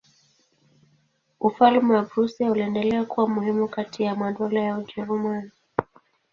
Ufalme wa Prussia uliendelea kuwa muhimu kati ya madola ya Ujerumani.